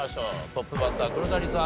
トップバッター黒谷さん